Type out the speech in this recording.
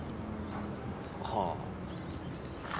はあ。